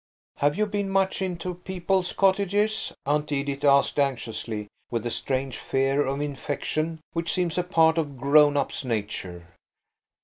"Have you been much into people's cottages?" Aunt Edith asked anxiously–with the strange fear of infection which seems a part of a grown up's nature.